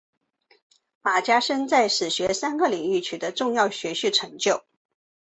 冯家升在史学三个领域取得重要学术成就。